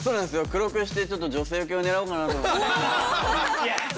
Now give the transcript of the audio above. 黒くしてちょっと女性受けを狙おうかなと思いまして。